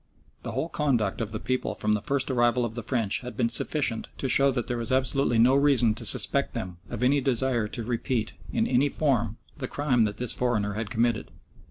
The whole conduct of the people from the first arrival of the French had been sufficient to show that there was absolutely no reason to suspect them of any desire to repeat, in any form, the crime that this foreigner had committed.